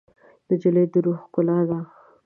نجلۍ د روح ښکلا ده.